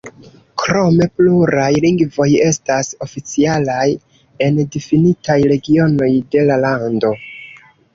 Krome pluraj lingvoj estas oficialaj en difinitaj regionoj de la lando.